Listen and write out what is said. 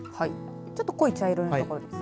ちょっと濃い茶色の所ですね。